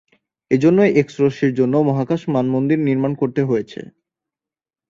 এজন্যই এক্স-রশ্মির জন্য মহাকাশ মানমন্দির নির্মাণ করতে হয়েছে।